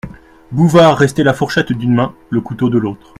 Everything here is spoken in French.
Bouvard restait la fourchette d'une main, le couteau de l'autre.